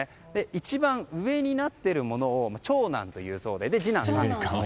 一番上になっているのを長男というそうでそのあとが次男と。